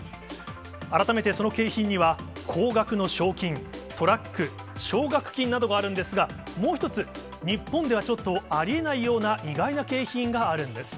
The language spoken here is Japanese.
改めてその景品には、高額の賞金、トラック、奨学金などがあるんですが、もう一つ、日本ではちょっとありえないような意外な景品があるんです。